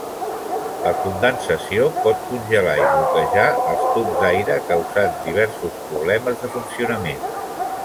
La condensació pot congelar i bloquejar els tubs d'aire causant diversos problemes de funcionament.